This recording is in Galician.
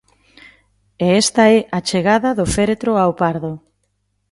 E esta é a chegada do féretro ao Pardo.